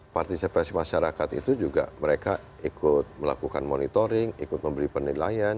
partisipasi masyarakat itu juga mereka ikut melakukan monitoring ikut memberi penilaian